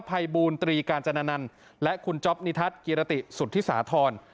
ภัยบูรตรีกาญจนันและคุณจ๊อปนิทัศน์กิรติสุธิสาธรณ์